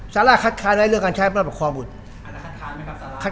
จาระคัดค้าในเรื่องความผู้ชายเป็นไร